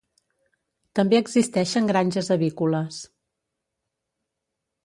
També existeixen granges avícoles.